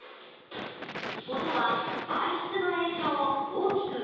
音は媒質の影響を大きく受けます。